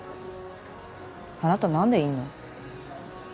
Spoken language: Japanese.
あなた何でいんの？